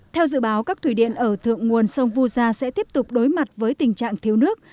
theo dự báo các thủy điện ở thượng nguồn sông vu gia sẽ tiếp tục đối mặt với tình trạng thiếu nước